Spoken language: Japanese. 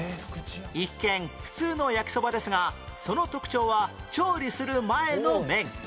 一見普通の焼きそばですがその特徴は調理する前の麺